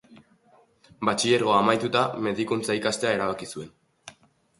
Batxilergoa amaituta, medikuntza ikastea erabaki zuen